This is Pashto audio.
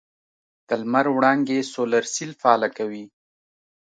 د لمر وړانګې سولر سیل فعاله کوي.